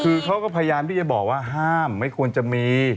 คือเขาก็พยายามที่จะบอกว่าห้ามไม่ควรจะมี